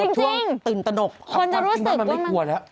จริงตื่นตะดกคงจะรู้สึกว่าหมดท่วงที่นั่งมันไม่กวนละ